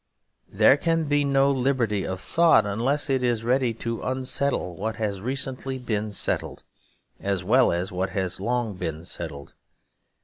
There can be no liberty of thought unless it is ready to unsettle what has recently been settled, as well as what has long been settled.